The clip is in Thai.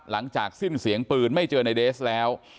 หลังจากสิ้นเสียงปืนไม่เจอในเดสแล้ว